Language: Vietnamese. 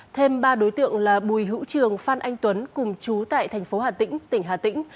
thêm ba đối tượng là bùi hữu trường phan anh tuấn cùng chú tại thành phố hà tĩnh tỉnh hà tĩnh